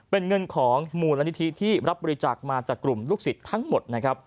เป็นเงินของมูลนิธิที่รับบริจาคมาจากกลุ่มลูกศิษย์ทั้งหมดนะครับ